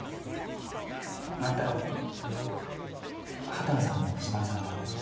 万太郎波多野さんも藤丸さんも。